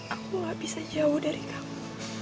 aku gak bisa jauh dari kamu